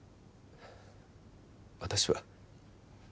私は